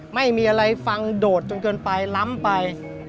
ไม่มีอะไรฟังโดดจนเกินไปล้ำไป